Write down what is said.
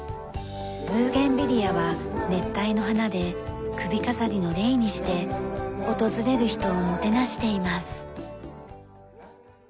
ブーゲンビリアは熱帯の花で首飾りのレイにして訪れる人をもてなしています。